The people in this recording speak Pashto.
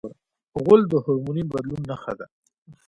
غول د هورموني بدلون نښه ده.